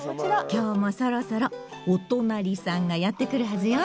今日もそろそろおとなりさんがやって来るはずよ。